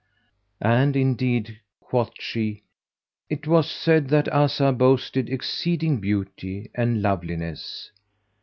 "And indeed," quoth she, "'twas said that Azzah boasted exceeding beauty and loveliness."